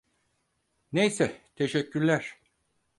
Neyse, teşekkürler.